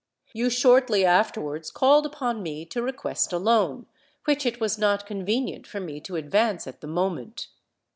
"You shortly afterwards called upon me to request a loan, which it was not convenient for me to advance at the moment.